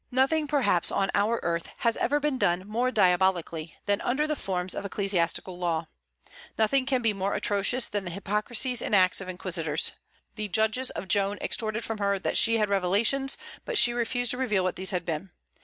Nothing perhaps on our earth has ever been done more diabolically than under the forms of ecclesiastical law; nothing can be more atrocious than the hypocrisies and acts of inquisitors. The judges of Joan extorted from her that she had revelations, but she refused to reveal what these had been.